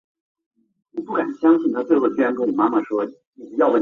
朱载境于嘉靖十八年袭封崇王。